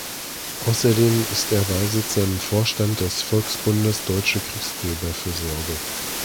Außerdem ist er Beisitzer im Vorstand des Volksbundes Deutsche Kriegsgräberfürsorge.